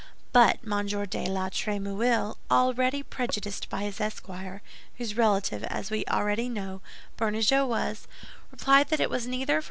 But M. de la Trémouille—already prejudiced by his esquire, whose relative, as we already know, Bernajoux was—replied that it was neither for M.